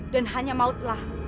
dan hanya mautlah